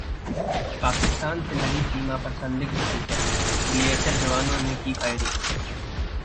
पाकिस्तान से लगी सीमा पर संदिग्ध हलचल, बीएसएफ जवानों ने की फायरिंग